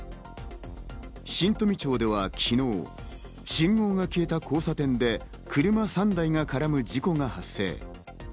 新富町では昨日、信号が消えた交差点で車３台が絡む事故が発生。